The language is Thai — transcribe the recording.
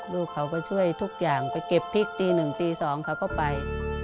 ลูกเขาก็ช่วยทุกอย่างไปเก็บพริกตีหนึ่งตี๒เขาก็ไป